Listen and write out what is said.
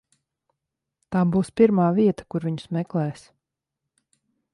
Tā būs pirmā vieta, kur viņus meklēs.